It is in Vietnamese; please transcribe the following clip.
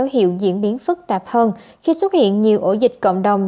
hiệu diễn biến phức tạp hơn khi xuất hiện nhiều ổ dịch cộng đồng